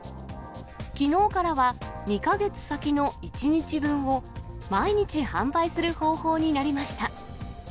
きのうからは、２か月先の１日分を毎日販売する方法になりました。